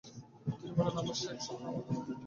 তিনি বলেন, "আমার শাইখ, স্বপ্নে আমি আপনাকে দেখেছি।